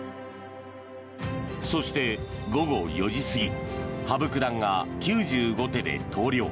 そして、午後４時過ぎ羽生九段が９５手で投了。